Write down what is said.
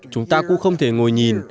chúng ta cũng không thể ngồi nhìn